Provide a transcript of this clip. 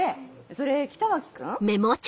それ北脇君？